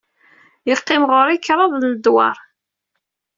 Yeqqim ɣer-i kraḍ n ledwaṛ.